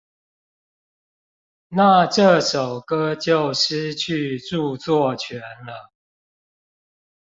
那這首歌就失去著作權了